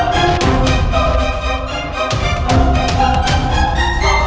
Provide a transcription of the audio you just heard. kamu gak apa apa